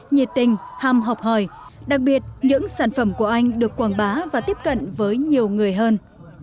nhiệt tình ham học hỏi đặc biệt những sản phẩm của anh được quảng bá và tiếp cận với nhiều người hơn